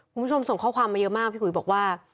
คุณผู้ชมส่งข้อความมาเยอะมากพี่อุ๋ยบอกว่า